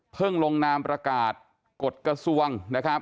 เพิ่งลงนามประกาศกดกระทรวง